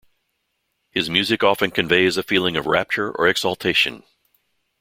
His music often conveys a feeling of rapture or exaltation.